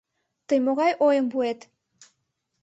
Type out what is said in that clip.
Тый могай ойым пуэт?